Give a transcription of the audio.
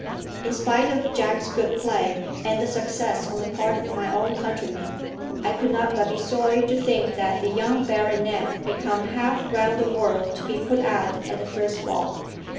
In spite of Jack's good play, and the success on the part of my own countrymen, I could not but be sorry to think that the young baronet had come half round the world to be put out at the first ball.